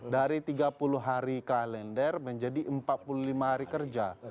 dari tiga puluh hari kalender menjadi empat puluh lima hari kerja